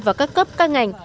và các cấp các ngành